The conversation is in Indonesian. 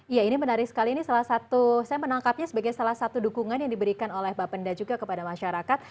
ya ini menarik sekali ini salah satu saya menangkapnya sebagai salah satu dukungan yang diberikan oleh bapenda juga kepada masyarakat